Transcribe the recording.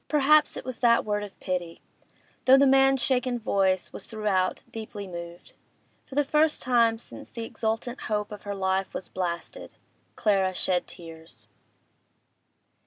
Perhaps it was that word of pity—though the man's shaken voice was throughout deeply moving. For the first time since the exultant hope of her life was blasted, Clara shed tears.